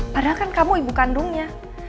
padahal kan kamu ibu kandungnya